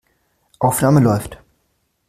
Aufnahme läuft.